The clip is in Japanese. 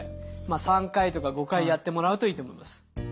まあ３回とか５回やってもらうといいと思います。